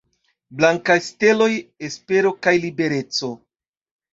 Blankaj steloj: espero kaj libereco.